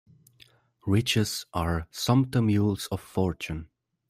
Riches are the sumpter mules of fortune.